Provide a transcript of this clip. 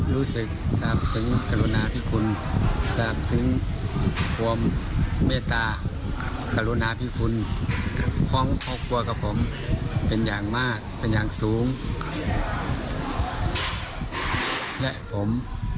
และผมขอกับสวายมังคมพระเจ้าอยู่หัวอย่างนี้ยังสูงสูงครับผม